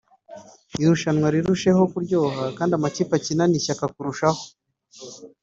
irushanwa rirusheho kuryoha kandi amakipe akinane ishyaka kurushaho